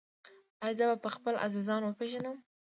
ایا زه به خپل عزیزان وپیژنم؟